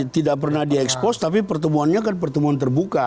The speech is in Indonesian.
tidak pernah di expose tapi pertemuannya kan pertemuan terbuka